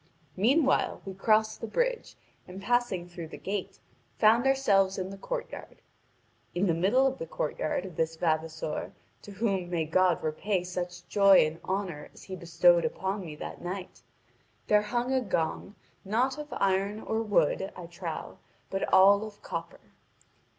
Meanwhile, we crossed the bridge, and passing through the gate, found ourselves in the courtyard. In the middle of the courtyard of this vavasor, to whom may God repay such joy and honour as he bestowed upon me that night, there hung a gong not of iron or wood, I trow, but all of copper.